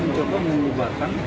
untuk mencoba mengubarkan massa